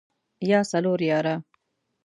يا څلور ياره.